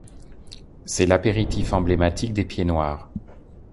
C'est l'apéritif emblématique des pieds noirs.